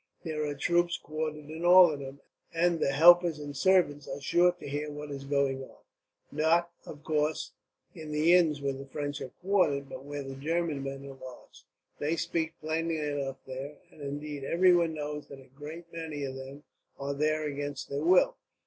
There are troops quartered in all of them, and the helpers and servants are sure to hear what is going on. Not, of course, in the inns where the French are quartered, but where the German men are lodged. They speak plainly enough there, and indeed everyone knows that a great many of them are there against their will.